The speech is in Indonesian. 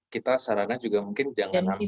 kita sarannya juga mungkin jangan ambil